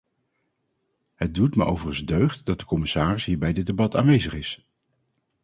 Het doet me overigens deugd dat de commissaris hier bij dit debat aanwezig is.